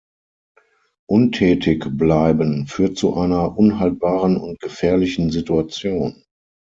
Untätig bleiben führt zu einer unhaltbaren und gefährlichen Situation.